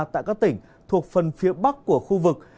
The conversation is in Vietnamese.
tại các tỉnh thuộc phần phía bắc của khu vực